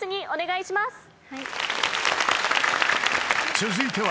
お願いします。